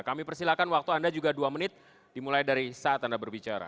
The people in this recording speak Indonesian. kami persilahkan waktu anda juga dua menit dimulai dari saat anda berbicara